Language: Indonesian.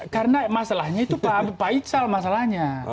karena masalahnya itu pak ical masalahnya